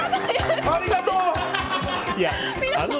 ありがとう！